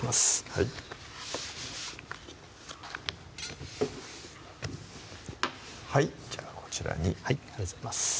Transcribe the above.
はいはいじゃあこちらにはいありがとうございます